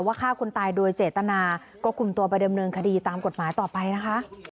ฆ่าคนตายโดยเจตนาก็คุมตัวไปดำเนินคดีตามกฎหมายต่อไปนะคะ